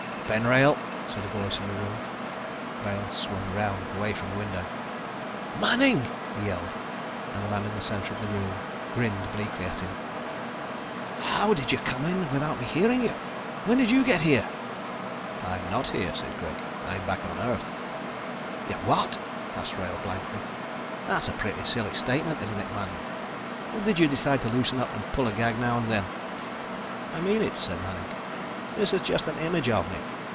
"Ben Wrail," said a voice in the room. Wrail swung around, away from the window. "Manning!" he yelled, and the man in the center of the room grinned bleakly at him. "How did you come in without me hearing you? When did you get here?" "I'm not here," said Greg. "I'm back on Earth." "You're what?" asked Wrail blankly. "That's a pretty silly statement, isn't it, Manning? Or did you decide to loosen up and pull a gag now and then?" "I mean it," said Manning. "This is just an image of me.